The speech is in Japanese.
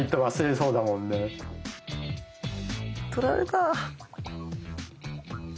取られた。）